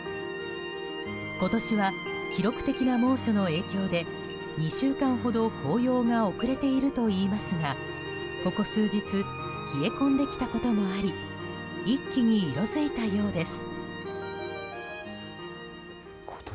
今年は記録的な猛暑の影響で２週間ほど紅葉が遅れているといいますがここ数日冷え込んできたこともあり一気に色づいたようです。